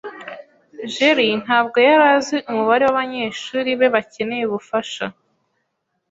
jerry ntabwo yari azi umubare wabanyeshuri be bakeneye ubufasha.